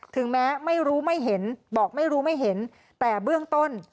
ถึงแม้ไม่รู้ไม่เห็นบอกไม่รู้ไม่เห็นแต่เบื้องต้น